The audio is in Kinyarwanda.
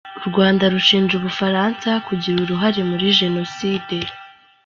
U Rwanda rushinja u Bufaransa kugira uruhare muri jenoside.